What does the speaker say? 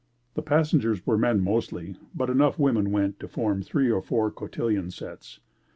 The passengers were men mostly, but enough women went to form three or four cotillion sets.